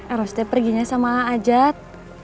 eros deh perginya sama ajaat